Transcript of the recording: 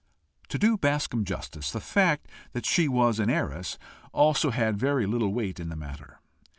To do Bascombe justice, the fact that she was an heiress also had very little weight in the matter.